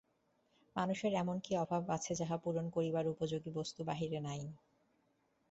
মানুষের এমন কি অভাব আছে, যাহা পূরণ করিবার উপযোগী বস্তু বাহিরে নাই।